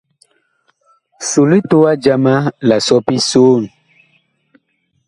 So litowa jama la sɔpi soon.